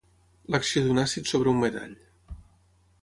L'acció d'un àcid sobre un metall.